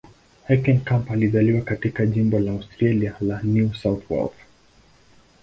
Heckenkamp alizaliwa katika jimbo la Australia la New South Wales.